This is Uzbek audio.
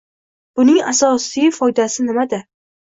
Buning asosiy foydasi nimada?